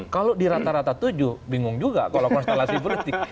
kalau di rata rata tujuh bingung juga kalau konstelasi politik